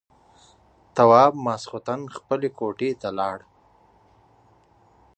تواب ماخستن خپلې کوټې ته لاړ.